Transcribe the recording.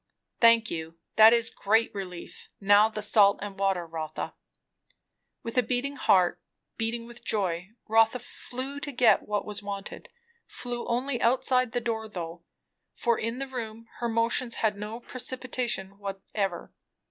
"Thank you! that is great relief. Now the salt and water, Rotha." With a beating heart, beating with joy, Rotha flew to get what was wanted; flew only outside the door though, for in the room her motions had no precipitation whatever.